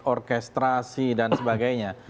orkestrasi dan sebagainya